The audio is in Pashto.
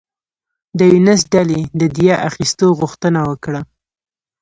د یونس ډلې د دیه اخیستو غوښتنه وکړه.